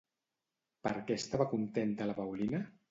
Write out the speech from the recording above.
Per què estava contenta la Paulina?